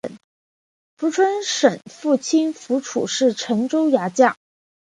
符存审父亲符楚是陈州牙将。